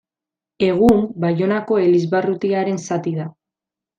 Egun Baionako elizbarrutiaren zati da.